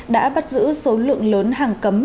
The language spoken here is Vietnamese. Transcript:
đã bắt giữ số lượng lớn hàng cấm